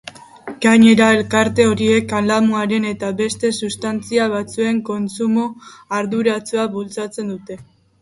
Gainera, elkarte horiek kalamuaren eta beste substantzia batzuen kontsumo arduratsua bultzatuko dute.